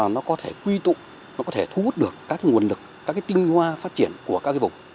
nó có thể quy tụ nó có thể thu hút được các nguồn lực các cái tinh hoa phát triển của các cái vùng